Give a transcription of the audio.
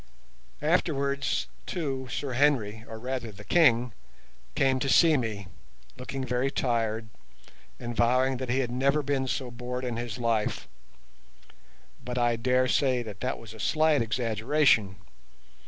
Afterwards, too, Sir Henry, or rather the King, came to see me, looking very tired, and vowing that he had never been so bored in his life; but I dare say that that was a slight exaggeration.